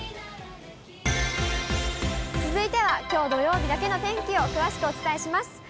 続いてはきょう土曜日だけの天気を詳しくお伝えします。